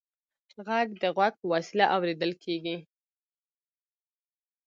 غږ د غوږ په وسیله اورېدل کېږي.